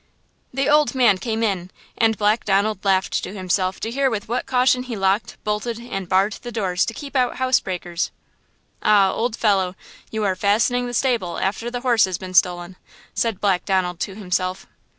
The old man came in and Black Donald laughed to himself to hear with what caution he locked, bolted and barred the doors to keep out house breakers! "Ah, old fellow, you are fastening the stable after the horse has been stolen!" said Black Donald to himself.